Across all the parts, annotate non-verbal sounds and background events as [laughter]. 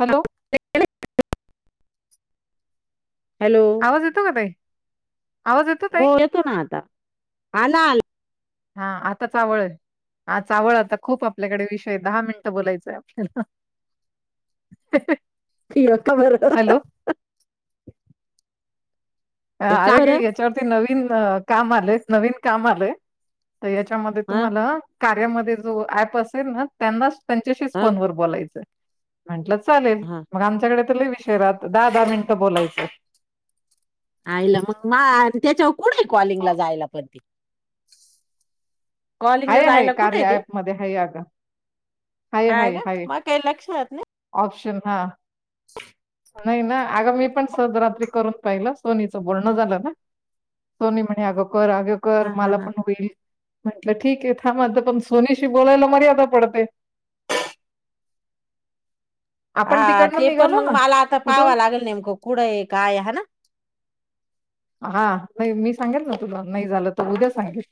Hello [unintelligible] hello आवाज येतो का ताई आवाज येतो ताई? न आता आला आ हा आता चावळ आहे. हा आवळ आता खूप आपल्याकडे विषय दहा मिनिटं बोलायचय आपल्याला [unintelligible] वा [unintelligible] खबर हॅलो का अरे की बरं याच्यावरती नवीन काम आलेय नवीन काम आलंय तर याच्यामध्ये हा तुम्हाला कार्यामध्ये जो ऍप असेल ना त्यांच त्यांच्याशीच हा फोनवर बोलायचं म्हंटलं चालेल हा मग आमच्याकडे तर विषय राहत दहा दहा मिनिटं बोलायचं. आईला मग मा त्याच्यावर कुठ कॉलिंगला जायला पणती कॉलिंगला आहे जायला कुठे कार्य आहे ते हाय हा हाय का हाय मग काही लक्षात नाही ऑप्शन हा नाही ना अग मी पण सहज रात्री करून पाहिलं सोनीचं बोलणं झालं ना सोनी म्हणे आग कर कर हा हा मला हा पण होईल म्हंटलं ठीक आहे थांबत पण सोनीशी बोलायला मर्यादा पडते. आपण हा तिकडनं ते पण निघालो मग ना मला आता कुठून पाहावं लागेल नेमकं कुढं आहे काय हा ना हा नाही मी सांगेल ना तुला नाही झालं तर उद्या सांगेल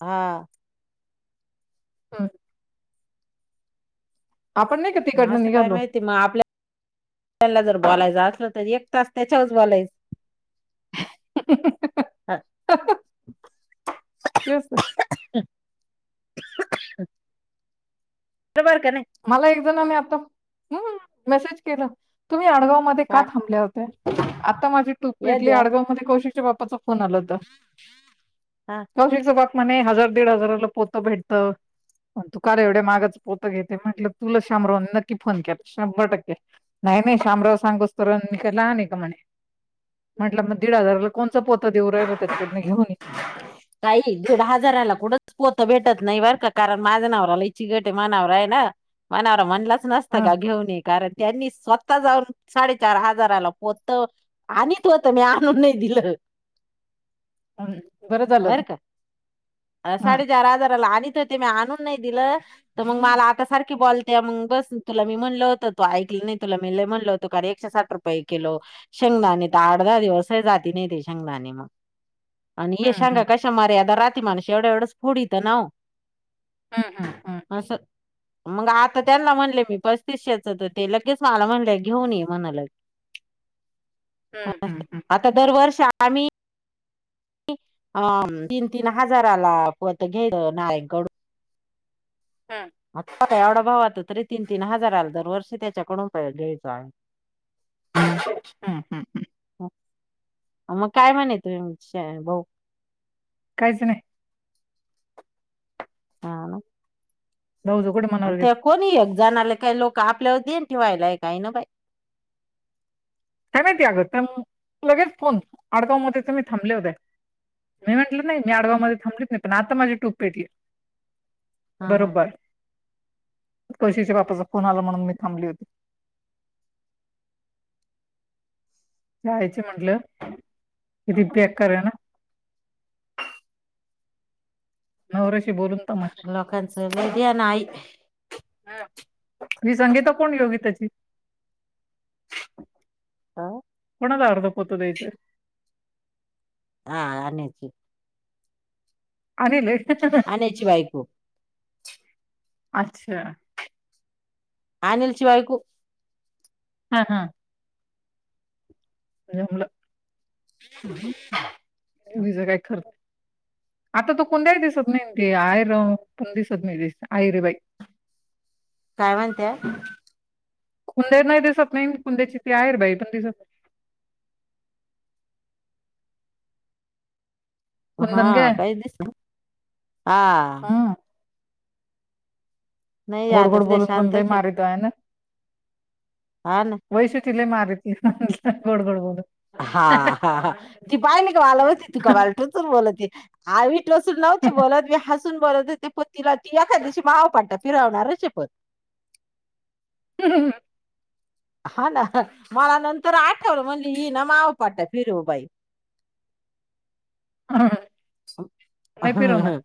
हा हम् आपण नाही का असं काय निघालो माहिती मग आपल्याला जर बोलायचं असलं तर एक तास त्याच्यावरच बोलायचं [unintelligible] हा तेच तर. [unintelligible] [unintelligible] बरोबर का नाही. मला एक जणने आता ह मेसेज केलं तुम्ही आडगाव मध्ये का हा थांबले होत्या? आता माझी टूप या पेटली द्या आडगाव मध्ये कौशिकच्या बाप्पाच फोन आला होता हा कौशीकचा बाप म्हणे हजार दीड हजाराला पोत भेटतं पण तू का एवढ्या मागाचं पोत घेत ते म्हटलं तुला शामराव न नक्की फोन केला शंभर टक्के नाही नाही शामराव सांगूस तर ला मी काय लहान आहे का म्हणे म्हंटलं मग दीड हजाराला कोणच पोत देऊ राहिल त्याच्याकडन घेऊन काही दिड हजाराला कुठंच पोतं भेटत नाही बर का कारण माझं नवरा लय चिकट आहे माआ नवरा आहे ना मनावर म्हणलाच नसतं हं का घेऊन ये कारण त्यांनी स्वतः जाऊन साडेचार हजाराला पोत आणत होत मी आणून नाही दिलं. हम् बरं झालं ना हं साडेचार हजाराला आणत होत मी आणून नाही दिलं. तर मग मला आता सारखी बोलते मग बस तुला मी म्हणलं होतं तू ऐकलं नाही तुला म म्हणलं होतं कारण एकशे साठ रुपये रुपये किलो शेंगदाने तर आठ दहा दिवस जाती नाही ते शेंगदाणे. आणि ये हं शेंगा हं कशा मर्यादा राती माणस एवढ्या एवढंच फोडीतं ना ओ हं हं हं अस मग आता त्यांना म्हणले मी पस्तीसशेच तर ते लगेच मला म्हणले घेऊन ये म्हणा लगे [unintelligible] हं आता दरवर्ष आम्ही तीन तीन हजारालात घेय नारयणकडून हां आ का एवढा भाव आता तरी तीन तीन हजार आला दर वर्षी त्याच्याकडून घ्यायचं आहे. हं हं मग काय म्हणे तुम्ही भाउ काहीच नाही हा. [unintelligible] कड मग त्या कोणी येत जणालाय काय लोक आपल्यावर देन ठेवायलाय काय ना बाई. काय माहिती अगं तंग, लगेच फोन अडगावमध्ये तुम्ही थांबले होते. मी म्हटलं नाही मी आडगावमध्ये थांबलीच नाही पण आता माझी टूब पेटली. हा हा बरोबर कौशीच्या बापाचा फोन आला म्हणून मी थांबली होती. जायच म्हंटलं की ती पॅक करना. नवऱ्याचे बोलून बघं म्हंटल. लोकांचं [unintelligible] ह, ही संगीता कोण योगीताची? ह कोणाला अर्ध पोतं द्यायचंय? हा आणिची आणिले त्याची बायकू अच्छा! अनिलची बायकू. हा हा. [unintelligible] [inaudible] मग हिचं काय खरं नाही. आता तो कोणत्याही दिसत नाही ते आहेरण दिसत नाही दिस आयरीे बाई. [inaudible] काय म्हणत्या? कुंद्याेत नाही दिसत नाही कुंद्याची ती आहे बाई पण दिसत नाही. हा कुंदन गे काही दिस हा हं. नाही गोड आता गोड सध्या बोलून पण शांतच लंय मारीत आहे ना. हा ना वैशू ती लय मारीती, गोड गोड बोलून. हा हा हा, ती पाहिली का वालावती तू का वाल टोचून बोलती. आवी टोचून लावते बोलत मी हस [unintelligible] [unintelligible] हा ना, मला नंतर आठवलं म्हणजे येई ना माव पट फिरवबाई. [inaudible] हा नाही फिरवणार हा.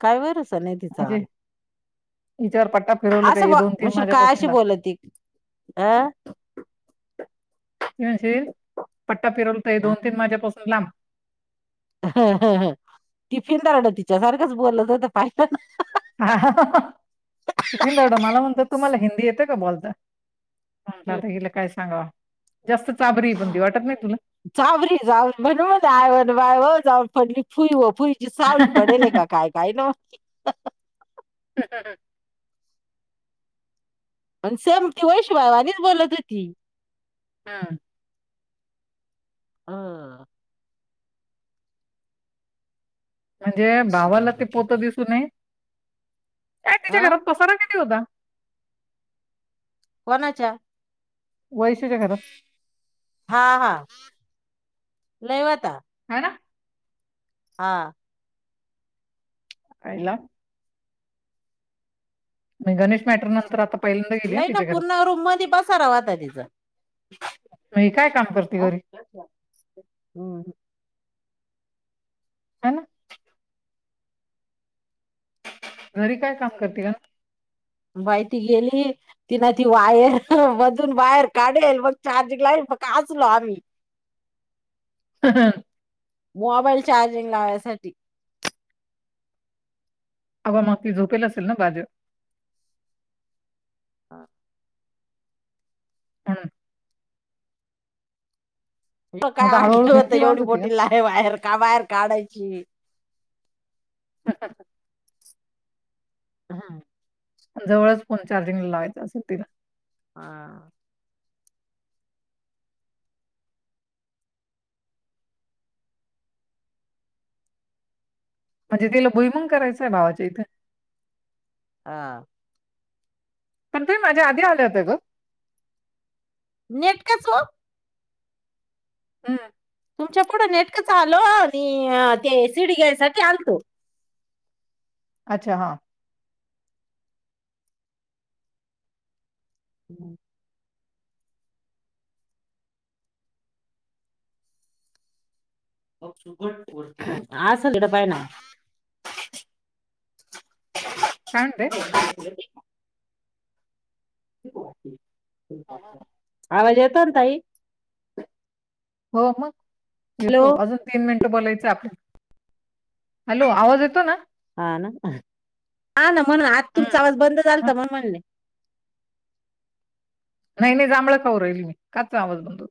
काय भरोसा नाही तिचा. म्हणजे हिच्यावर पट्टा फिरवलं का असं हे बघं, दोन तीन म्हणशील काय माझ्यापासून अशी लांब बोलते अं ते म्हणजे पट्टा फिरवतंय दोन-तीन माज्यापासून लांब ह ह टिफिनदरडं तिच्यासारखंच बोलच होत पाहिल ना हा, [unintelligible] मला म्हणतो तुम्हाला हिंदी येते का बोलता. म्हणता ना. आत्ता हिला काय सांगाव, जास्त चाबरीये वाटत नाही तुला. [unintelligible] ती सावली पडेले का काय, काय नव. पण सेमती वैश भवानीच बोलत होती. हा. ह. म्हणजे भावाला ते पोत दिसूनये अय तिच्या हा अ घरात पसारा किधी होता. कोणाच्या- वैशूच्या घरात. हा हा लयवता. ह ना. हा. आईला. म गणेश मॅटर नंतर आता. पहिल्यांदा गेली हं नाही ना तिच्या घरात पूर्ण रूम मध्ये बसाारा वाता तिच. म काय काम करते घरी. हम् ह ना. घरी काय काम करते का. माहिती गेली. ति ना ती वायर मधून वायर काढेल मग चार्जिंग लाईल मगचलो आम्ही ह हम. Mobile charging लावयसाठी. अग मग ती झोपेल असेल ना बाजू. हा. [inaudible] म काय आता हळूहळू आणलं होत भिंती एवढी बांध होती का बोटी ला आहे बाहेर का बाहेर काढायची. हा ह ह. हा. जवळच फोन चार्जिंग लावायचां असेलिला. हा. म्हणजे तिला भई मंग करायचय भावाच्या इथे. हा. पण ते माझ्या आधी आले होते ग. नेट कच व. हम्. तुमच्या पुढं नेटकच आलो आणि ते ए सीडी गॅससाठीठी आलतो. अच्छा! हा. हम् असल काय नाही. हाे. आवाज येतो ना ताई. हो, मग हॅलो येतो अजून. तीन मिनिटं बोलायचं आपण, हॅलो आवाज येतो ना. हा ना हा ना म्हण आज तुमचा हम्म. आवाज बंद झाल हा तर म्हणून म्हणले. नाही नाही जांभळा खाऊ राहील मी कच्चा आवडतो.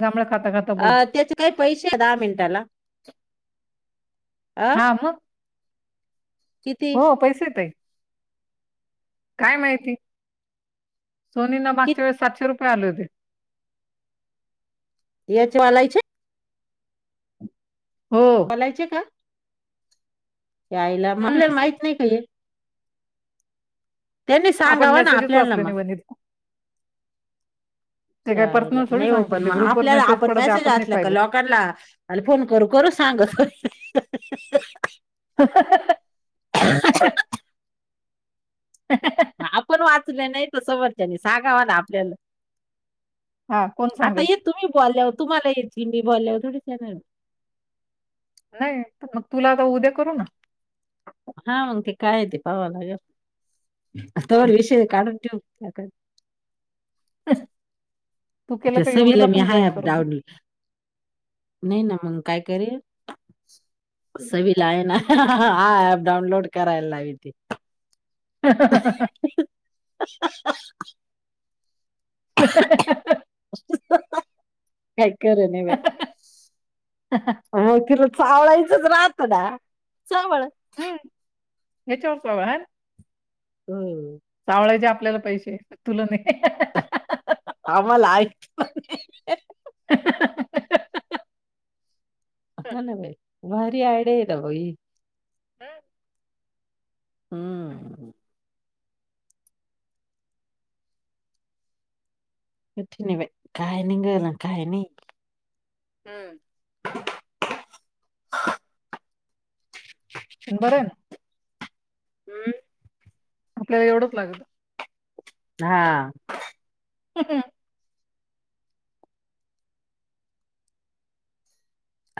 जाभळे खाता खाता. अ बोलते त्याचे काही पैसे आहे दहा मिनटाला. अहो, किती हो पैसेतय काय माहिती सोनी ना कि मागच्या वेलीस सातशे रुप ये आले होते. यांचेवाळेचे हो बोलायचे का? यायला मग हम्म आपल्याला माहित नाही ग हे त्यांनी आपण सांगावा ना मेसेजच आपल्याला वाचले मग. नाही वनित ते काय च्यायला पर्सनल थोडी नाही हो, पण सांगतील ते मग ग्रुपवर आपल्याला आपण पडत मेसेज नाही असल का पाहिलं लॉकरला आणि फोन करू करू सांगत हा हा हा हा आपण वाचल नाही तर समोरचं सागावा ना आपल्याला. हा कोण आता सांगल? हे तुम्ही बोलल्यावर तुम्हाला येती मी बोलल्यावर थोडीच येणार य नाही, मग तुला आता उद्या करू ना. हा मग ते काय य ते पावा लागलं तोवर हम्म. विषय काढून ठेव. सकाळी तू केलं त्या का योगीला सविला मी पण हाय जॉईन करू [unintelligible] नाही ना मग काय करेल सवि ला आहे ना. हा ह ऍप डउनलोड कराय लाविते. [inaudible] [inaudible] ह [unintelligible] काय खरं नाही बाई. ह [unintelligible] हा खरं चावळायचंच राहत ना, चावळ हेच्या वर सोहळा हाय. होय सावळाचे आपल्याला पैसे तुला नाही. आमाला हाईक ह [unintelligible] हा ना बाई, भारी आयड आहेेत बाई. ह हम्म कठीण हाय बाई, काय निगल आणि काय नई. हम्म पण बरं ना. हम्म आपल्याला एवढंच लागत. हा ह हं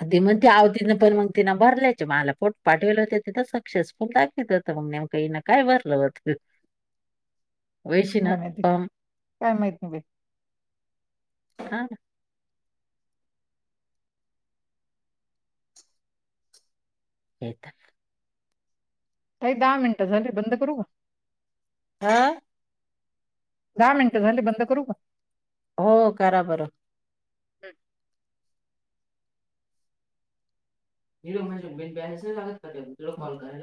अधी मग त आवतीं पण मग तिं भरल्यायचे मला पोट पाठवलं होते तथं सक्सेसफुल ला [unintelligible] हीन काय भरलं वाटत. [unintelligible] वैशन काय माहिती, [unintelligible] काय माहित नाही बाई. हा ना. एक ताई दहा मिनिटं झाली बंद करू का? हा. दहा मिनिटं झाले बंद करू का? हो करा बरं. [inaudible] लागत काॉल करायला